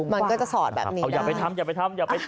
มันก็จะสอดแบบนี้ได้